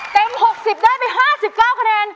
เต็ม๖๐ได้ไป๕๙คะแนน